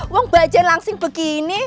wang mbak jenny langsing begini